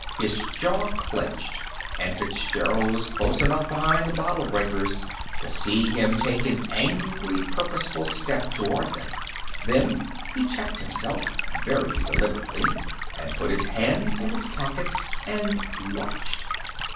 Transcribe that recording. His jaw clenched, and Fitzgerald was close enough behind the bottle breakers to see him take an angry, purposeful step toward them. Then he checked himself very deliberately, and put his hands in his pockets, and watched.